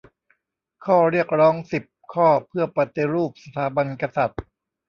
ข้อเรียกร้องสิบข้อเพื่อปฏิรูปสถาบันกษัตริย์